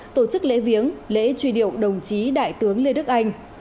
tổ chức lễ viếng lễ truy điệu đồng chí đại tướng lê đức anh